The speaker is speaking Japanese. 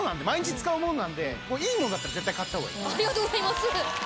ありがとうございます。